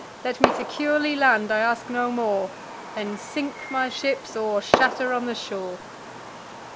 Let me securely land—I ask no more; Then sink my ships, or shatter on the shore."